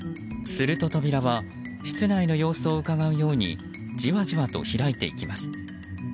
すると扉は室内の様子をうかがうようにじわじわと開いていきます。